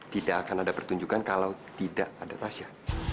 tidak akan ada pertunjukan kalau tidak ada tasya